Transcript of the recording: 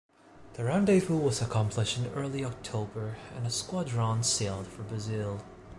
The rendezvous was accomplished in early October and the squadron sailed for Brazil.